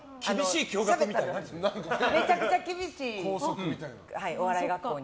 めちゃくちゃ厳しいお笑い学校に。